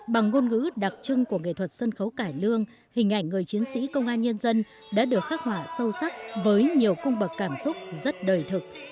bằng ngôn ngữ đặc trưng của nghệ thuật sân khấu cải lương hình ảnh người chiến sĩ công an nhân dân đã được khắc họa sâu sắc với nhiều cung bậc cảm xúc rất đời thực